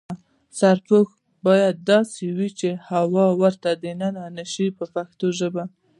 سرپوښ باید داسې وي چې هوا ور دننه نشي په پښتو ژبه.